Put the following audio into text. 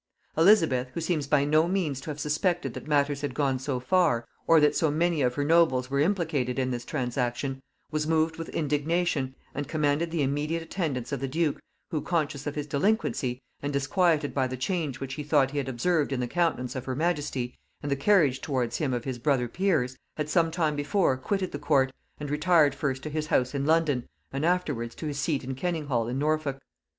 Elizabeth, who seems by no means to have suspected that matters had gone so far, or that so many of her nobles were implicated in this transaction, was moved with indignation, and commanded the immediate attendance of the duke, who, conscious of his delinquency, and disquieted by the change which he thought he had observed in the countenance of her majesty and the carriage towards him of his brother peers, had sometime before quitted the court, and retired first to his house in London, and afterwards to his seat of Kenninghall in Norfolk.